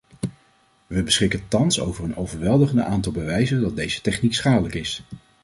We beschikken thans over een overweldigend aantal bewijzen dat deze techniek schadelijk is.